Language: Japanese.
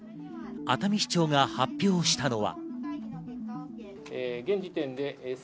熱海市長が発表したのは。